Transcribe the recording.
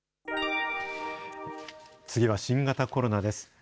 次は新型コロナです。